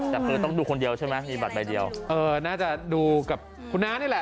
แต่คือต้องดูคนเดียวใช่ไหมมีบัตรใบเดียวเออน่าจะดูกับคุณน้านี่แหละ